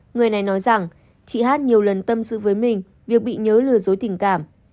người này nói rằng chị hát nhiều lần tâm sự với mình việc bị nhớ lừa dối tình cảm